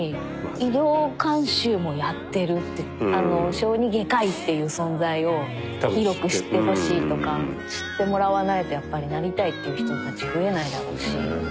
小児外科医っていう存在を広く知ってほしいとか知ってもらわないとやっぱりなりたいっていう人たち増えないだろうし。